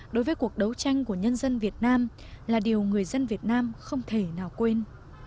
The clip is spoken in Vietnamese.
đối với cuộc đấu tranh của nhân dân việt nam là điều người dân việt nam không thể nào quên